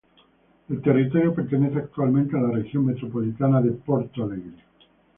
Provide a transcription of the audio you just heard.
El territorio pertenece actualmente a la Región Metropolitana de Porto Alegre.